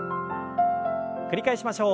繰り返しましょう。